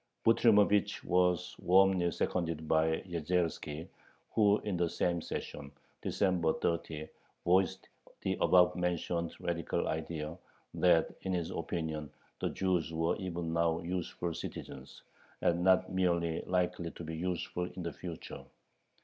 Butrymovich was warmly seconded by Yezierski, who in the same session (December 30) voiced the above mentioned "radical" idea, that in his opinion the Jews were even now "useful citizens," and not merely likely to be "useful" in the future.